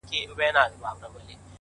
د غلا په جرم به باچاصاحب محترم نيسې!